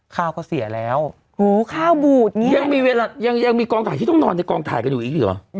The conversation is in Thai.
ข้าวก็เสียแล้วโหข้าวบูดอย่างนี้ยังมีเวลายังยังมีกองถ่ายที่ต้องนอนในกองถ่ายกันอยู่อีกหรอ